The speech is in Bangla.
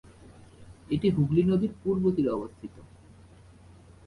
এটি হুগলি নদীর পূর্ব তীরে অবস্থিত।